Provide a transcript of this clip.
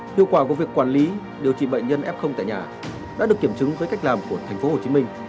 hiệu quả của việc quản lý điều trị bệnh nhân f tại nhà đã được kiểm chứng với cách làm của tp hcm